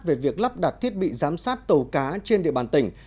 về việc lắp đặt thiết bị giám sát tàu cá trên địa bàn tỉnh